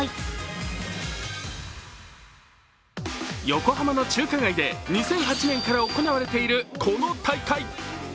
横浜の中華街で２００８年から行われている、この大会。